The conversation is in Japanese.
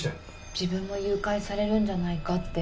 自分も誘拐されるんじゃないかって